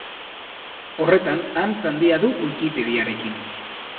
Horretan antz handia du Wikipediarekin.